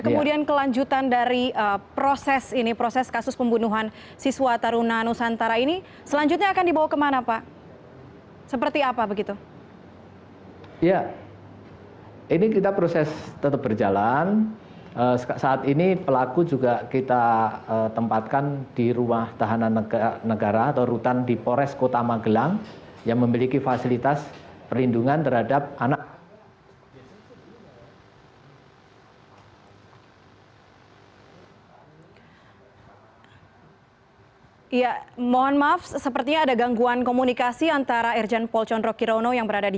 kemudian kelanjutan dari proses ini proses kasus pembunuhan siswa tarunanusantara ini